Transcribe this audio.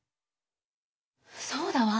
そうだわ。